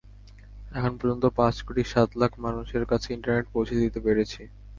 এখন পর্যন্ত পাঁচ কোটি সাত লাখ মানুষের কাছে ইন্টারনেট পৌঁছে দিতে পেরেছি।